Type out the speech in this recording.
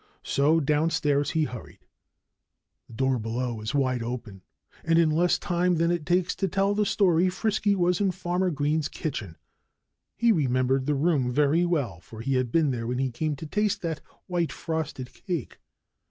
So downstairs he hurried. The door below was wide open. And in less time than it takes to tell the story, Frisky was in Farmer Green's kitchen. He remembered that room very well, for he had been there when he came to taste that white frosted cake.